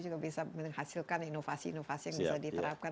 juga bisa menghasilkan inovasi inovasi yang bisa diterapkan